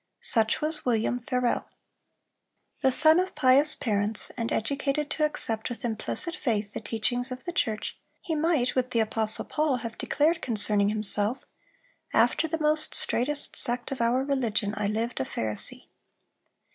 Such was William Farel. The son of pious parents, and educated to accept with implicit faith the teachings of the church, he might, with the apostle Paul, have declared concerning himself, "After the most straitest sect of our religion I lived a Pharisee."